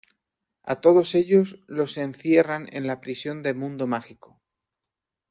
A todos ellos los encierran en la prisión de mundo Mágico.